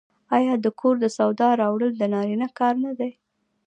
آیا د کور د سودا راوړل د نارینه کار نه دی؟